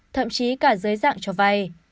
thậm chí cả giới dạng cho vay